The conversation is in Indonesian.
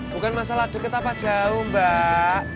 bukan masalah dekat apa jauh mbak